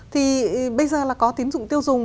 thì bây giờ là có tín dụng tiêu dùng